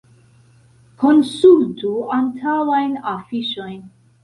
Konsultu antaŭajn afiŝojn.